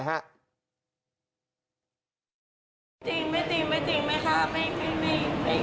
จริงไม่จริง